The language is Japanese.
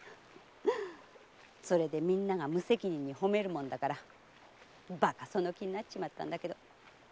それでみんなが無責任に褒めるもんだからバカがその気になっちまったんだけど。